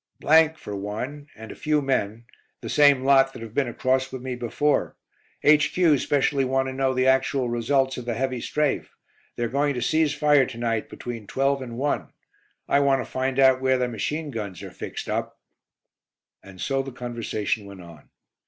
" for one, and a few men the same lot that have been across with me before. H.Q. specially want to know the actual results of the heavy 'strafe.' They are going to cease fire to night, between twelve and one. I want to find out where their machine guns are fixed up " And so the conversation went on.